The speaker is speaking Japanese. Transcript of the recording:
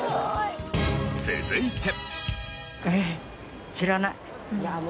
続いて。